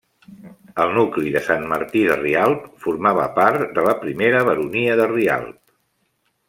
El nucli de Sant Martí de Rialb formava part de la primera baronia de Rialb.